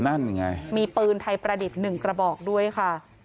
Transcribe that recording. นั่นไงมีปืนไทยประดิษฐ์หนึ่งกระบอกด้วยค่ะ